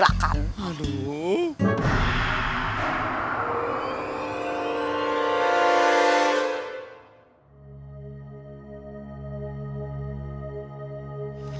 tidak ada yang bisa dipercaya